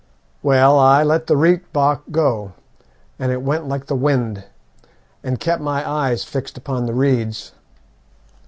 "Well, I let the reit bok go, and it went like the wind, and kept my eyes fixed upon the reeds.